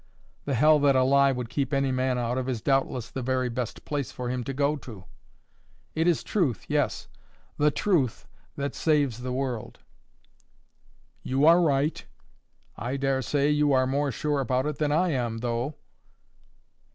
The hell that a lie would keep any man out of is doubtless the very best place for him to go to. It is truth, yes, The Truth that saves the world." "You are right, I daresay. You are more sure about it than I am though."